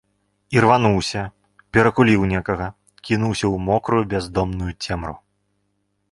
Ірвануўся, перакуліў некага, кінуўся ў мокрую, бяздонную цемру.